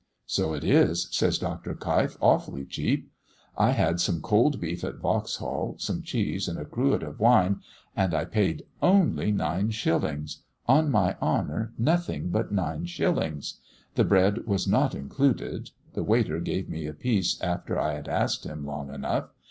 "So it is," says Dr. Keif, "awfully cheap. I had some cold beef at Vauxhall, some cheese, and a cruet of wine, and I paid only nine shillings on my honor nothing but nine shillings. The bread was not included. The waiter gave me a piece after I had asked him long enough.